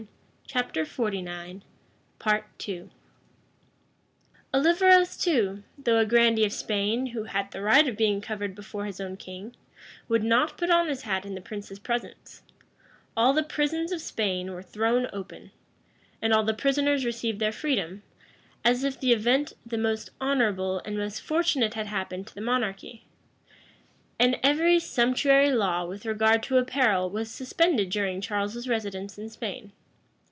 Olivarez too, though a grandee of Spain, who has the right of being covered before his own king, would not put on his hat in the prince's presence:[*] all the prisons of Spain were thrown open, and all the prisoners received their freedom, as if the event the most honorable and most fortunate had happened to the monarchy:[] and every sumptuary law with regard to apparel was suspended during Charles's residence in Spain.